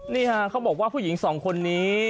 นี่ฮะเขาบอกว่าผู้หญิงสองคนนี้